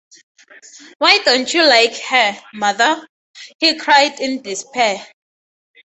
“Why don’t you like her, mother?” he cried in despair.